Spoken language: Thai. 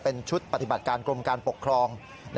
เป็นชุดปฏิบัติการกรมการปกครอง